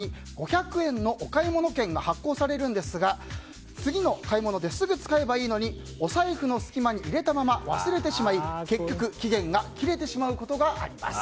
続いて、よく行くスーパーではたまに５００円のお買い物券が発行されるんですが次の買い物ですぐ使えばいいのにお財布の隙間に入れたまま忘れてしまい、結局、期限が切れてしまうことがあります。